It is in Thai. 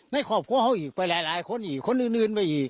ในครอบครัวเขาอีกไปหลายคนอีกคนอื่นไปอีก